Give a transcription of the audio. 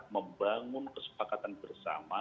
membangun kesepakatan bersama